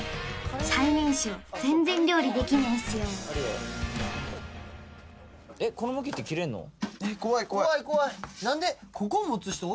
最年少全然料理できねえんすよえっ怖い怖い怖い怖い何で？